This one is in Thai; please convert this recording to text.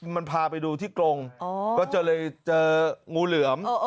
มันพาไปดูที่กรงก็เลยเจองูเหลือม